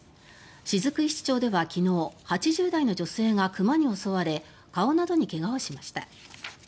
雫石町では昨日８０代の女性が熊に襲われ顔などに怪我をしました。